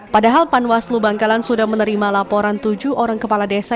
padahal panwaslu bangkalan sudah menerima laporan tujuh orang kepala desa